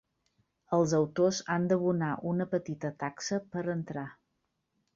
Els autors han d'abonar una petita taxa per a entrar.